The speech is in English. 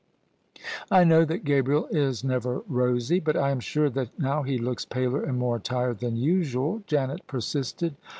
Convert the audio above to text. " I know that Gabriel is never rosy: but I am sure that now he looks paler and more tired than usual," Janet persisted.